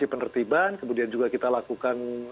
penertiban kemudian juga kita lakukan